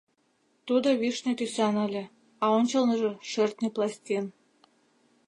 Тудо вишне тӱсан ыле, а ончылныжо — шӧртньӧ пластин.